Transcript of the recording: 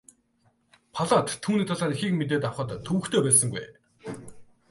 Платт түүний талаар ихийг мэдэж авахад төвөгтэй байсангүй.